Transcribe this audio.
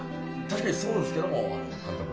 確かにそうですけども監督。